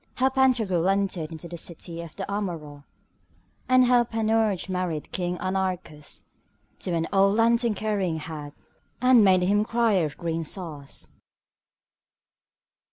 How Pantagruel entered into the city of the Amaurots, and how Panurge married King Anarchus to an old lantern carrying hag, and made him a crier of green sauce.